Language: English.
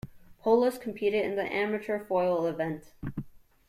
Poulos competed in the amateur foil event.